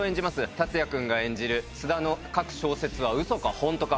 竜也君が演じる津田の書く小説はウソか本当か。